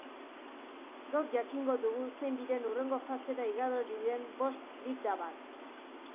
Gaur jakingo dugu zein diren hurrengo fasera igaro diren bost lipdubak.